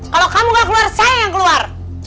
kalau kamu nggak keluar saya yang keluar